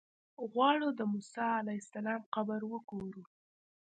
غواړو د موسی علیه السلام قبر وګورو.